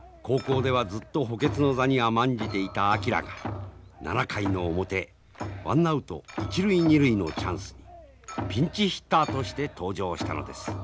高校ではずっと補欠の座に甘んじていた昭が７回の表ワンアウト一塁二塁のチャンスにピンチヒッターとして登場したのです。